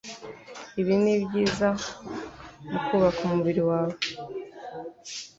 Ibi nibyiza mu kubaka umubiri wawe.